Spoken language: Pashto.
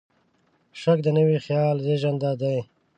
شک د نوي خیال زېږنده دی.